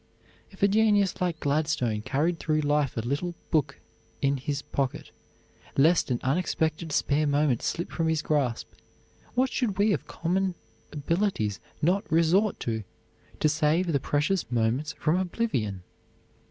If a genius like Gladstone carried through life a little book in his pocket lest an unexpected spare moment slip from his grasp, what should we of common abilities not resort to, to save the precious moments from oblivion?